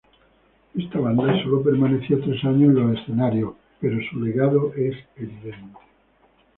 Esta banda sólo permaneció tres años en los escenarios, pero su legado es evidente.